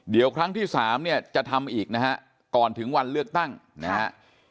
เดี๋ยวครั้งที่สามเนี่ยจะทำอีกนะฮะก่อนถึงวันเลือกตั้งนะฮะ